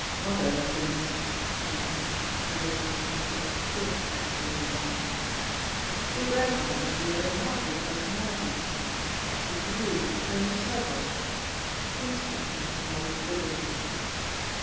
"Mother thinks " he began, and this time Jack did actually laugh. "Your grandmother must be a remarkable personality; has she views on the Crimson Circle?" The inspector nodded vigorously.